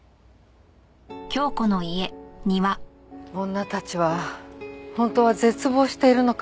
女たちは本当は絶望しているのかもしれないわ。